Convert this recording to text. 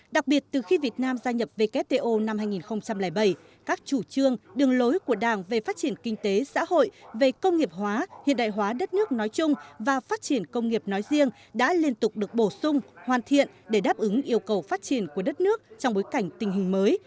đặc biệt từ khi việt nam gia nhập wto năm hai nghìn bảy các chủ trương đường lối của đảng về phát triển kinh tế xã hội về công nghiệp hóa hiện đại hóa đất nước nói chung và phát triển công nghiệp nói riêng đã liên tục được bổ sung hoàn thiện để đáp ứng yêu cầu phát triển của đất nước trong bối cảnh tình hình mới